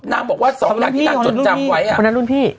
นางบอกว่าสองนางที่นางจดจำไว้อ่ะคนนั้นรุ่นพี่คนนั้นรุ่นพี่